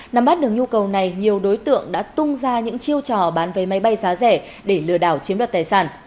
nằm bắt đường nhu cầu này nhiều đối tượng đã tung ra những chiêu trò bán vé máy bay giá rẻ để lừa đảo chiếm đặt tài sản